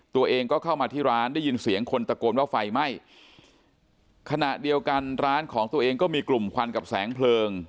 ตัวเองก็เข้ามาที่ร้านได้ยินเสียงคนตะโกนว่าไฟไหม้ขณะเดียวกันร้านของตัวเองก็มีกลุ่มควันกับแสงเพลิง